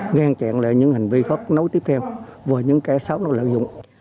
ngang chẹn lại những hành vi khắc nấu tiếp theo và những cái xấu nó lợi dụng